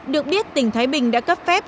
được biết tỉnh thái bình đã cấp phép